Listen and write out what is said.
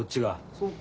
そうか。